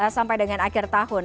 sampai dengan akhir tahun